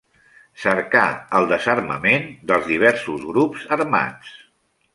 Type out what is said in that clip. Cercar el desarmament dels diversos grups armats.